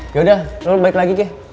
yaudah lo balik lagi je